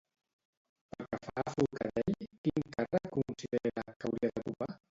Pel que fa a Forcadell, quin càrrec considera que hauria d'ocupar?